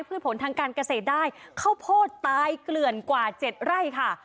ผลทางการเกษตรได้ข้าวโพดตายเกลื่อนกว่า๗ไร่ค่ะ